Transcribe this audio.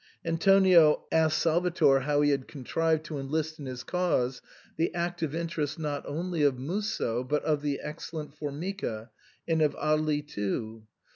An tonio asked Salvator how he had contrived to enlist in his cause the active interest not only of Musso but of the excellent Formica, and of Agli too.